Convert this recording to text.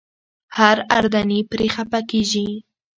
هر اردني پرې خپه کېږي.